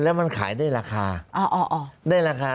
แล้วมันขายได้ราคาได้ราคา